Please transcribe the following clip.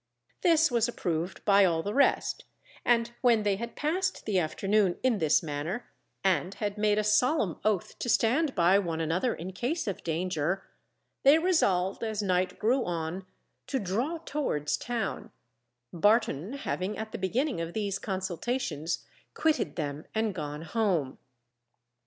This was approved by all the rest, and when they had passed the afternoon in this manner, and had made a solemn oath to stand by one another in case of danger, they resolved, as night grew on, to draw towards town, Barton having at the beginning of these consultations, quitted them and gone home.